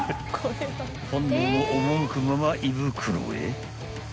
［本能の赴くまま胃袋へ］